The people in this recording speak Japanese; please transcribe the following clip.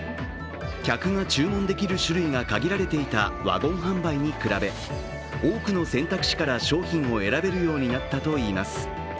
客が注文できる種類が限られていたワゴン販売に比べ、多くの選択肢から商品を選べるようになったといいます。